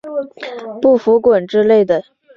不服滚之类的